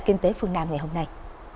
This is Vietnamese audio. kinh tế phương nam ngày hôm nay